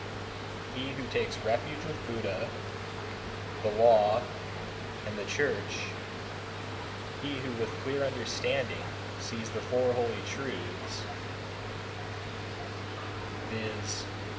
190. He who takes refuge with Buddha, the Law, and the Church; he who, with clear understanding, sees the four holy truths: 191. Viz.